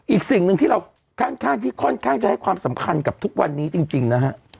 อีกสิ่งหนึ่งที่เราค่อนข้างที่ค่อนข้างจะให้ความสำคัญกับทุกวันนี้จริงนะฮะ